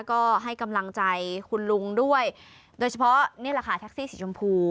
ก็ให้กำลังใจคุณลุงด้วยโดยเฉพาะนี่แหละค่ะแท็กซี่สีชมพู